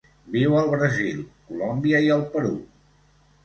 Viu al Brasil, Colòmbia i el Perú.